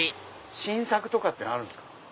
新作とかってあるんですか？